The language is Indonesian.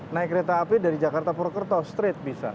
naik kereta api dari jakarta purwokerto straight bisa